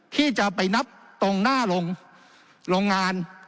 ที่จะไปนับตรงหน้าโรงงาน